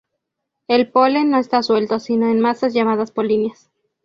El polen no está suelto sino en masas llamadas polinias.